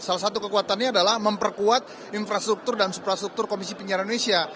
salah satu kekuatannya adalah memperkuat infrastruktur dan infrastruktur komisi penyiaran indonesia